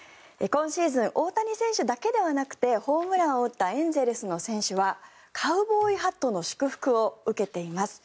今シーズン大谷選手だけではなくてホームランを打ったエンゼルスの選手はカウボーイハットの祝福を受けています。